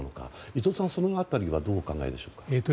伊藤さん、その辺りはどうお考えですか。